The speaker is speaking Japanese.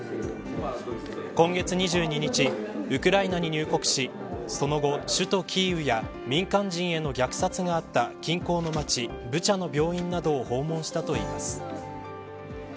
今月２２日、ウクライナに入国しその後、首都キーウや民間人への虐殺があった近郊の町ブチャの病院などを訪問したといいます。